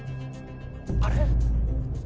あれ？